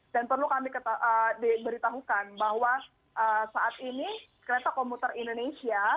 dan perlu kami diberitahukan bahwa saat ini kereta komuter indonesia